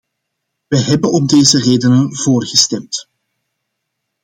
Wij hebben om deze redenen voor gestemd.